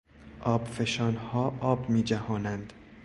آبفشانها آب می جهانند.